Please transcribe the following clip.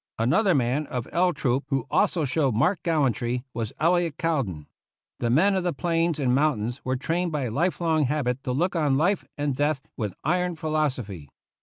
Another man of L Troop who also showed marked gallantry was Elliot Cowdin. The men of the plains and mountains were trained by life long habit to look on life and death with iron philosophy.